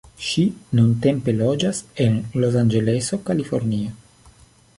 Ŝi nuntempe loĝas en Los-Anĝeleso, Kalifornio.